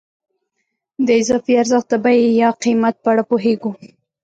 د اضافي ارزښت د بیې یا قیمت په اړه پوهېږو